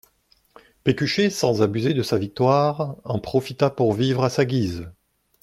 Pécuchet, sans abuser de sa victoire, en profita pour vivre à sa guise.